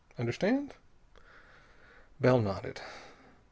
Understand?" Bell nodded.